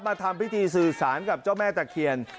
ทำพิธีสื่อสารกับเจ้าแม่ตะเคียน